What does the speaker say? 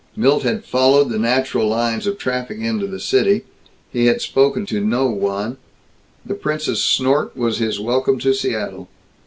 Milt had followed the natural lines of traffic into the city; he had spoken to no one; the prince's snort was his welcome to Seattle.